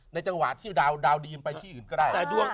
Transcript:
จังหวะที่ดาวดีมันไปที่อื่นก็ได้